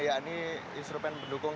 yakni instrumen pendukung